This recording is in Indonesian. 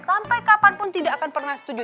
sampai kapanpun tidak akan pernah setuju